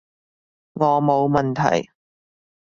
我冇問題